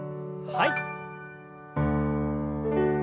はい。